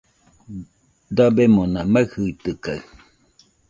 Dabemona maɨjɨitɨkaɨ